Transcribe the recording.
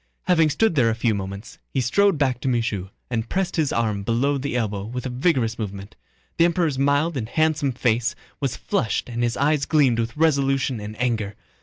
Having stood there a few moments, he strode back to Michaud and pressed his arm below the elbow with a vigorous movement. The Emperor's mild and handsome face was flushed and his eyes gleamed with resolution and anger.